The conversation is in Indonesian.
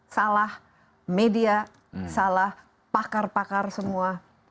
salah media salah pakar pakar semua